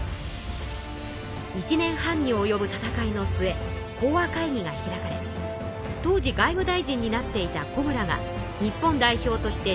１年半におよぶ戦いの末講和会議が開かれ当時外務大臣になっていた小村が日本代表として出席しました。